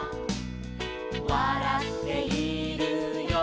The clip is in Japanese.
「わらっているよ」